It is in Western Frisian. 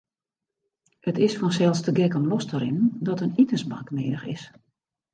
It is fansels te gek om los te rinnen dat in itensbank nedich is.